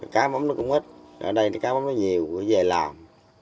cá bấm nó cũng ít ở đây cá bấm nó nhiều về làm